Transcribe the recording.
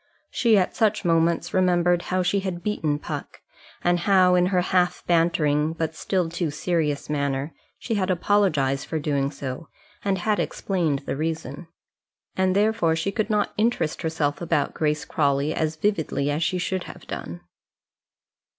She at such moments remembered how she had beaten Puck, and how in her half bantering but still too serious manner she had apologized for doing so, and had explained the reason. And therefore she could not interest herself about Grace Crawley as vividly as she should have done.